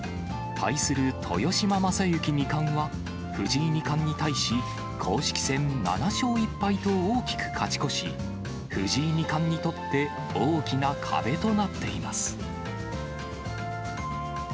対する豊島将之二冠は、藤井二冠に対し、公式戦７勝１敗と大きく勝ち越し、藤井二冠にとって、大きな壁となっています。